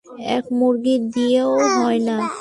এক মুরগি দিয়েও হয় না।